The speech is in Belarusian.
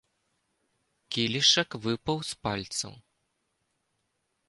Кілішак выпаў з пальцаў.